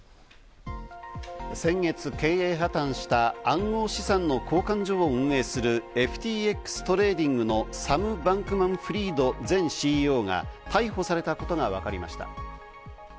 先月、経営破綻した暗号資産の交換所を運営するＦＴＸトレーディングのサム・バンクマン・フリード前ＣＥＯが逮捕されたことがわかりました。